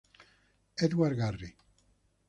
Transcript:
Edward Garry.